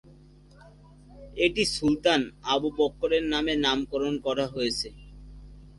এটি সুলতান আবু বকরের নামে নামকরণ করা হয়েছে।